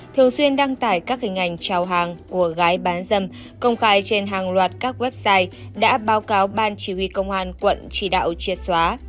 thường xuyên đăng tải các hình ảnh trào hàng của gái bán dâm công khai trên hàng loạt các website đã báo cáo ban chỉ huy công an quận chỉ đạo triệt xóa